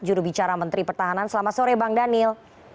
jurubicara menteri pertahanan selamat sore bang daniel